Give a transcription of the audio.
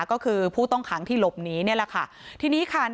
พร้อมด้วยผลตำรวจเอกนรัฐสวิตนันอธิบดีกรมราชทัน